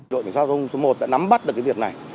đội kiểm tra giao thông số một đã nắm bắt được cái việc này